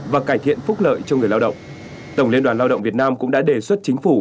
và cải thiện phúc lợi cho người lao động tổng liên đoàn lao động việt nam cũng đã đề xuất chính phủ